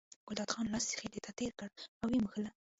ګلداد خان لاس خېټې ته تېر کړ او یې مښله.